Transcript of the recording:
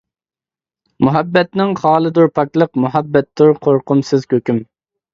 مۇھەببەتنىڭ خالىدۇر پاكلىق، مۇھەببەتتۇر قورقۇمسىز ھۆكۈم.